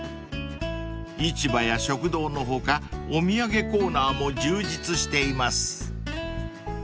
［市場や食堂の他お土産コーナーも充実しています］